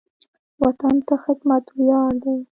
وطن ته خدمت ویاړ دی